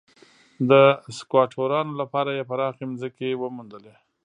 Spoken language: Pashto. د سکواټورانو لپاره یې پراخې ځمکې وموندلې.